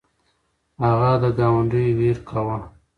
هغه د ګاونډیو ویر کاوه.